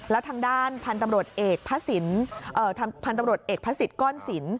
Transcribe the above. แล้วทางด้านพันธุ์ตำรวจเอกพระสิทธิ์ก้อนสิน